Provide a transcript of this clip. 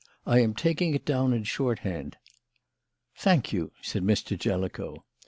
"I am taking it down in shorthand." "Thank you," said Mr. Jellicoe.